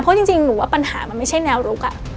เพราะจริงหนูว่าปัญหามันไม่ใช่แนวรุก